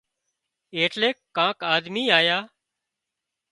ايٽليڪ ڪانڪ آۮمي آيا